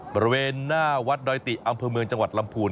บริเวณหน้าวัดดอยติอำเภอเมืองจังหวัดลำพูน